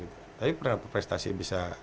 tapi prestasi bisa